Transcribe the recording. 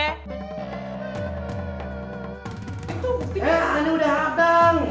eh ini udah hadang